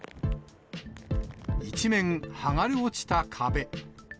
一面、剥がれ落ちた壁。